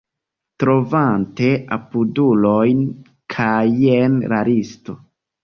Trovante apudulojn kaj jen la listo